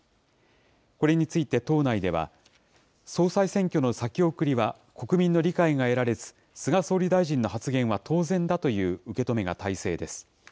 これについて党内では、総裁選挙の先送りは国民の理解が得られず、菅総理大臣の発言は当然だという受け止めが大勢です。